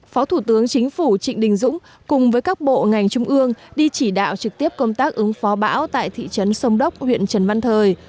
phó thủ tướng chính phủ trịnh đình dũng cùng với các bộ ngành trung ương đi chỉ đạo trực tiếp công tác ứng phó bão tại thị trấn sông đốc huyện trần văn thời